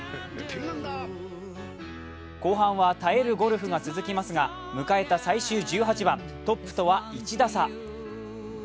後半は耐えるゴルフが続きますが迎えた最終１８番トップとは１打差。